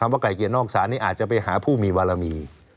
คำว่าไกล่เกลี่ยนอกศาสตร์นี่อาจจะไปหาผู้มีบารมี